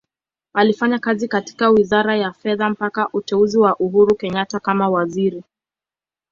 Alifanya kazi katika Wizara ya Fedha mpaka uteuzi wa Uhuru Kenyatta kama Waziri.